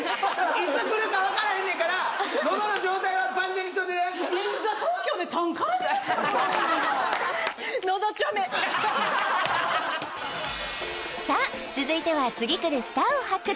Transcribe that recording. いつ来るかわからへんねんから喉の状態は万全にしといてねさあ続いては次くるスターを発掘